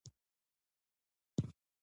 د قانون سرغړونه د لغوه کېدو سبب ګرځي.